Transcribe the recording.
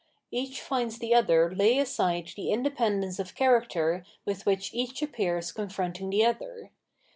Each finds 80 & Absolute Knowledge the other lay aside the independence of character with which each appears confronting the other.